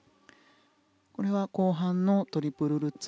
これは後半のトリプルルッツ。